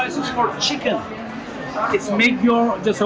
spice untuk ayam